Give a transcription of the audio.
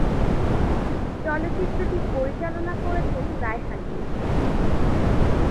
চলচ্চিত্রটি পরিচালনা করেছেন রায়হান মুজিব।